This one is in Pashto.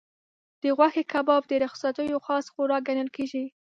د غوښې کباب د رخصتیو خاص خوراک ګڼل کېږي.